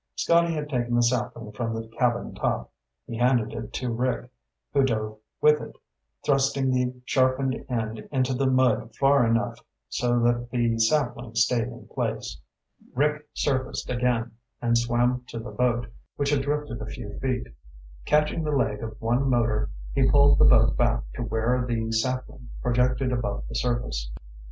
Scotty had taken the sapling from the cabin top. He handed it to Rick, who dove with it, thrusting the sharpened end into the mud far enough so that the sapling stayed in place. Rick surfaced again and swam to the boat, which had drifted a few feet. Catching the leg of one motor, he pulled the boat back to where the sapling projected above the surface.